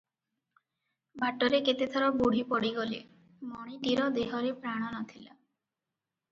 ବାଟରେ କେତେଥର ବୁଢ଼ୀ ପଡ଼ିଗଲେ- ମଣିଟିର ଦେହରେ ପ୍ରାଣ ନ ଥିଲା ।